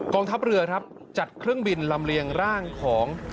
กองทัพเรือจัดเครื่องบินลำเรียงร่างของ